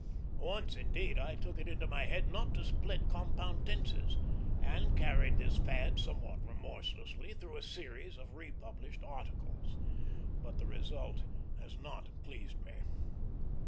Once, indeed, I took it into my head not to split compound tenses, and carried this fad somewhat remorselessly through a series of republished articles; but the result has not pleased me.